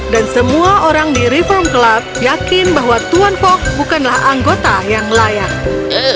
dan semua orang di reform club yakin bahwa tuan fogg bukanlah anggota yang layak